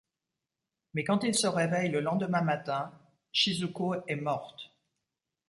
Mais quand il se réveille le lendemain matin, Shizuko est morte.